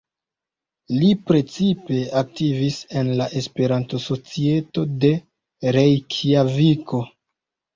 Li precipe aktivis en la Esperanto-societo de Rejkjaviko.